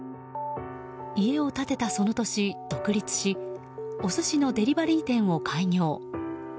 家を建てたその年、独立しお寿司のデリバリー店を開業。